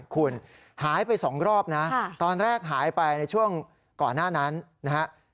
คุณหายไป๒รอบนะตอนแรกหายไปในช่วงก่อนหน้านั้นนะครับ